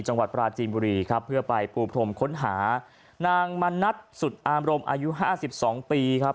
จังหวัดปราจีนบุรีครับเพื่อไปปูพรมค้นหานางมณัฐสุดอามรมอายุห้าสิบสองปีครับ